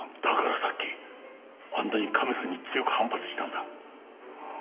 だからさっきあんなにカメさんに強く反発したんだ。